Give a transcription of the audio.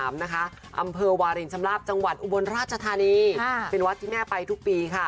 อำเภอวารินชำลาบจังหวัดอุบลราชธานีเป็นวัดที่แม่ไปทุกปีค่ะ